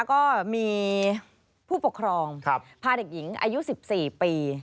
ก็มีผู้ปกครองพาเด็กหญิงอายุ๑๔ปี